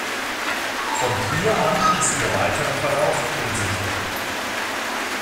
Von hier an ist ihr weiterer Verlauf unsicher.